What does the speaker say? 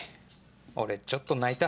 俺ちょっと泣いた。